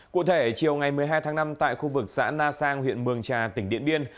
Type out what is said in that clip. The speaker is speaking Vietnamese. cụ thể chiều ngày một mươi hai tháng năm tại khu vực xã na sang huyện mường trà tỉnh điện biên